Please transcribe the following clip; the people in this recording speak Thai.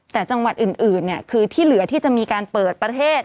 แต่จังหวัดอื่นคือที่เหลือที่จะมีการเปิดประเทศ